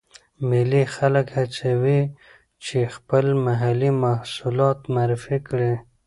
مېلې خلک هڅوي، چې خپل محلې محصولات معرفي کړي.